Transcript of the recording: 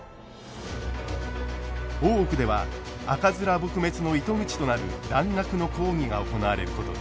大奥では赤面撲滅の糸口となる蘭学の講義が行われることに。